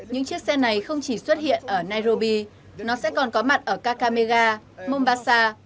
những chiếc xe này không chỉ xuất hiện ở nairobi nó sẽ còn có mặt ở kakamega mombasa